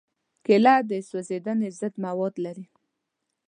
کېله د سوځېدنې ضد مواد لري.